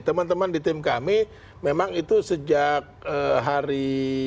teman teman di tim kami memang itu sejak hari